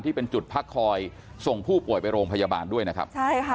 ที่เป็นจุดพักคอยส่งผู้ป่วยไปโรงพยาบาลด้วยนะครับใช่ค่ะ